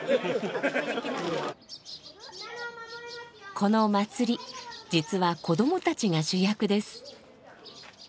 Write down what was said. この祭り実は子どもたちが主役です。